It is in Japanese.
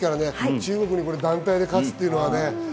中国に団体で勝つっていうのは。